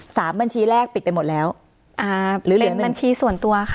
สามบัญชีแรกปิดไปหมดแล้วอ่าหรือเหลือบัญชีส่วนตัวค่ะ